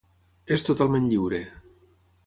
És totalment lliure.